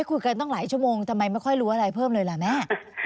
คุยกันตั้งหลายชั่วโมงทำไมไม่ค่อยรู้อะไรเพิ่มเลยล่ะแม่